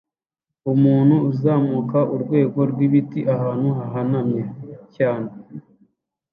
Umuntu azamuka urwego rwibiti ahantu hahanamye cyane